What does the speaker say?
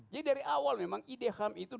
jadi dari awal memang ide ham itu